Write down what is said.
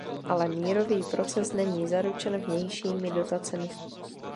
Ale mírový proces není zaručen vnějšími dotacemi.